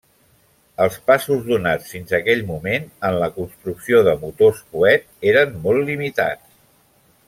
Els passos donats fins aquell moment en la construcció de motors coet eren molt limitats.